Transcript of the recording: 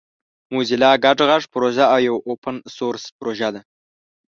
موزیلا ګډ غږ پروژه یوه اوپن سورس پروژه ده.